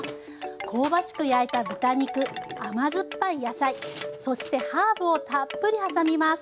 香ばしく焼いた豚肉甘酸っぱい野菜そしてハーブをたっぷり挟みます。